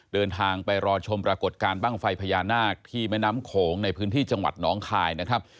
เดินทางไปรอชมปรากฏการณ์บ้างไฟพญานาคที่แม่น้ำโขงในพื้นที่จังหวัดน้องคายนะครับ